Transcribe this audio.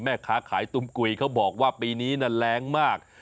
แม่ค้าขายตุ้มกุยเขาบอกว่าปีนี้แรงมาก